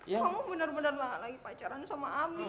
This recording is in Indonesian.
sayang kamu bener bener lah lagi pacaran sama amir